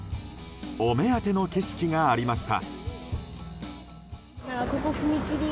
お目当ての景色がありました。